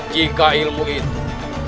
jikah ilmu itu